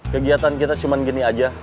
kegiatan kita cuma gini aja